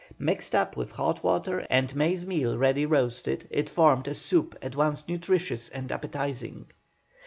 Mixed up with hot water and maize meal ready roasted, it formed a soup at once nutritious and appetising.